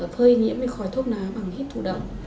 phơi nhiễm khói thuốc lá bằng hít thụ động